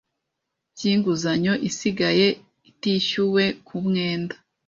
by inguzanyo isigaye itishyuwe ku mwenda